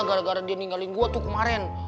gara gara dia ninggalin gue tuh kemarin